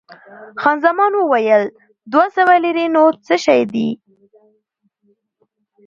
خان زمان وویل، دوه سوه لیرې نو څه شی دي؟